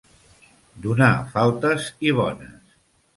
Donar faltes i bones.